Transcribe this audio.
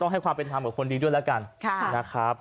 ต้องให้ความเป็นธรรมกับคนดีด้วยแล้วกัน